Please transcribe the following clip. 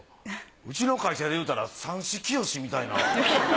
うちの会社で言うたら三枝きよしみたいな。